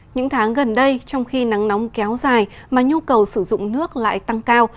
những tháng gần đây trong khi nắng nóng kéo dài mà nhu cầu sử dụng nước lại tăng cao